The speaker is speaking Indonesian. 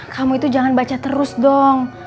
kamu itu jangan baca terus dong